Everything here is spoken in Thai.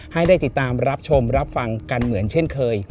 ให้ได้ติดตามรับชมรับฟังกันเหมือนเช่นเคย